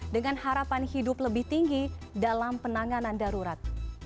dengan harapan hidup lebih tinggi dalam penanganan darurat